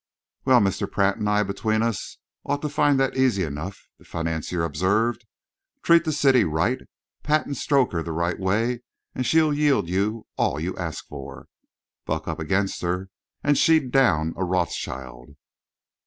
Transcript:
"Well, Mr. Pratt and I between us ought to find that easy enough," the financier observed. "Treat the City right, pat and stroke her the right way, and she'll yield you all you ask for. Buck up against her and she'd down a Rothschild."